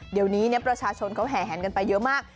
เดี๋ยวนี้ประชาชนเขาแห่แหนกันไปเยอะมาก